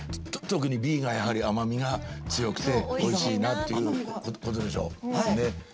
特にＢがやはり甘みが強くておいしいなってことでしょう。